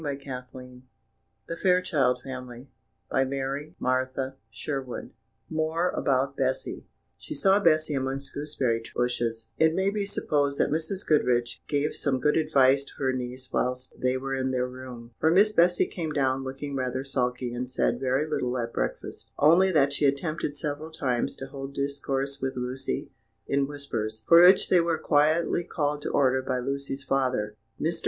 [Illustration: "Off she ran after him." Page 295.] More about Bessy [Illustration: She saw Bessy amongst some gooseberry bushes] It may be supposed that Mrs. Goodriche gave some good advice to her niece whilst they were in their room, for Miss Bessy came down looking rather sulky, and said very little at breakfast; only that she attempted several times to hold discourse with Lucy in whispers, for which they were quietly called to order by Lucy's father. Mr.